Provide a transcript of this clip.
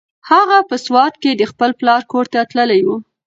هغه په سوات کې د خپل پلار کور ته تللې وه.